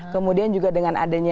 kemudian juga dengan adanya